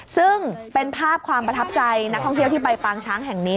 ซึ่งเป็นภาพความประทับใจนักท่องเที่ยวที่ไปปางช้างแห่งนี้